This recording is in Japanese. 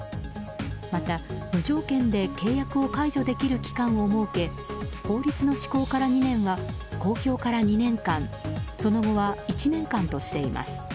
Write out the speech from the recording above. また、無条件で契約を解除できる期間を設け法律の施行から２年は公表から２年間その後は１年間としています。